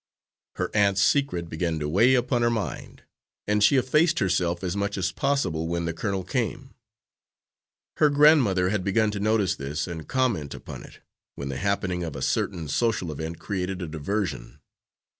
Her aunt's secret began to weigh upon her mind, and she effaced herself as much as possible when the colonel came. Her grandmother had begun to notice this and comment upon it, when the happening of a certain social event created a diversion.